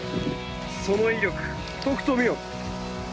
その威力とくと見よ。